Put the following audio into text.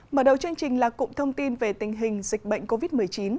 mở đầu chương trình là cụm thông tin về tình hình dịch bệnh covid một mươi chín